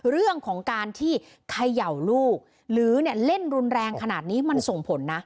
เรื่องของการที่เขย่าลูกหรือเล่นรุนแรงขนาดนี้มันส่งผลนะ